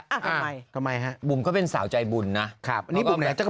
อ่าทำไมทำไมฮะบุ๋มก็เป็นสาวใจบุ่นนะครับนี่บุ๋มไหนจ้า